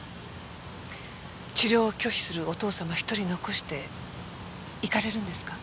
治療を拒否するお父さま一人残して行かれるんですか？